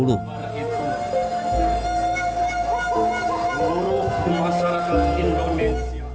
oh masyarakat indonesia